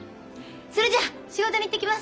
それじゃ仕事に行ってきます。